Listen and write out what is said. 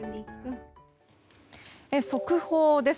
速報です。